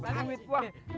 kamu gak dapat angin gue